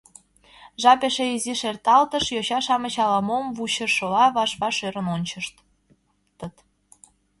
Жап эше изиш эрталтыш; йоча-шамыч ала мом вучышыла ваш-ваш ӧрын ончыштыт...